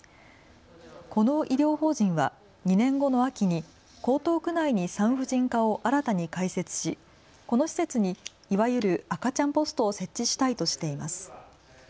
この医療法人は２年後の秋に江東区内に産婦人科を新たに開設し、この施設にいわゆる赤ちゃんポストを設置したいとしています。